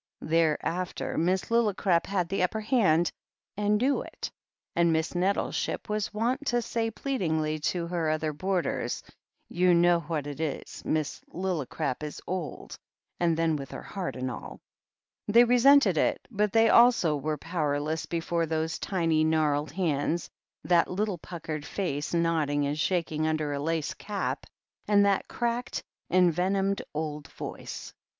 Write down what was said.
Thereafter Miss Lillicrap had the upper hand, and knew it, and Miss Nettleship was wont to say plead ingly to her other boarders : "You know what it is — Miss Lillicrap is old, and then with her heart and all " They resented it, but they also were powerless before those tiny, gnarled hands, that little puckered face nodding and shaking under a lace cap, and that cracked, envenomed old voice.